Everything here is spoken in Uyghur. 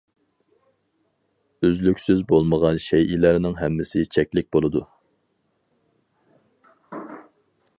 ئۈزلۈكسىز بولمىغان شەيئىلەرنىڭ ھەممىسى چەكلىك بولىدۇ.